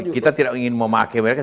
kita tidak ingin memakai mereka